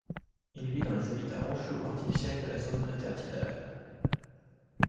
Il vit dans les habitats rocheux ou artificiels de la zone intertidale.